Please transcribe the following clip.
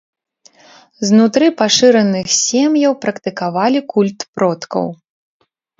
Знутры пашыраных сем'яў практыкавалі культ продкаў.